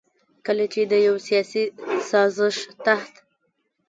کله چې د يو سياسي سازش تحت